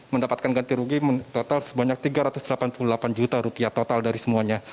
mendapatkan ganti rugi total sebanyak tiga ratus delapan puluh delapan juta rupiah total dari semuanya